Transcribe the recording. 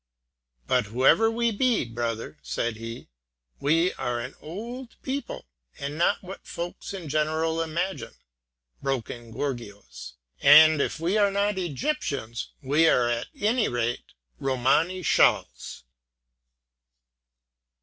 "But whoever we be, brother," said he, "we are an old people, and not what folks in general imagine, broken gorgios; and if we are not Egyptians, we are at any rate Romany Chals!"